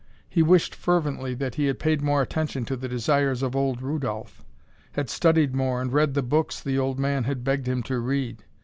He wished fervently that he had paid more attention to the desires of old Rudolph; had studied more and read the books the old man had begged him to read.